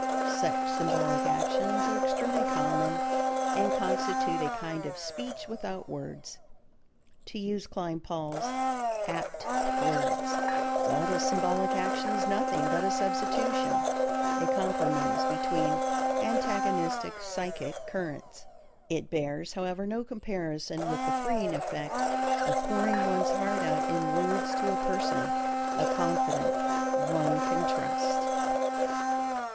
Such symbolic actions are extremely common and constitute a kind of "speech without words" (to use Kleinpaul's apt words). But a symbolic action is nothing but a substitution, a compromise between antagonistic psychic currents. It bears, however, no comparison with the freeing effect of pouring one's heart out in words to a person, a confidant one can trust.